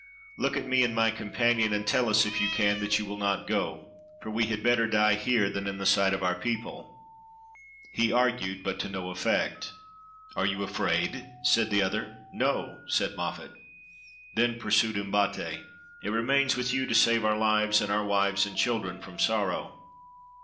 Look at me and my companion, and tell us, if you can, that you will not go, for we had better die here than in the sight of our people." He argued, but to no effect. "Are you afraid?" said the other. "No," said Moffat. "Then," pursued Umbate, "it remains with you to save our lives, and our wives and children from sorrow."